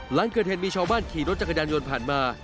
หลังเกิดเหตุมีชาวบ้านขี่รถจักรยานยนต์ผ่านมา